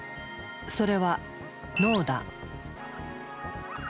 それは脳だ。